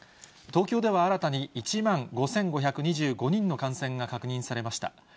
東京では、新たに１万５５２５人の感染が確認されました。